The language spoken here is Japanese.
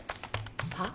はっ？